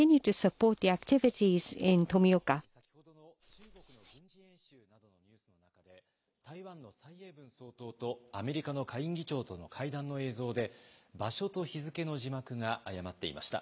先ほどの中国の軍事演習などのニュースの中で、台湾の蔡英文総統とアメリカの下院議長との会談の映像で、場所と日付の字幕が誤っていました。